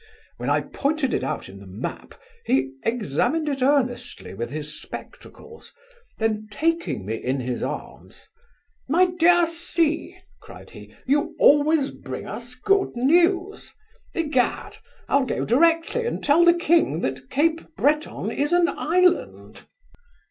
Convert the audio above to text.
When I pointed it out in the map, he examined it earnestly with his spectacles; then, taking me in his arms, "My dear C ! (cried he) you always bring us good news Egad! I'll go directly, and tell the king that Cape Breton is an island."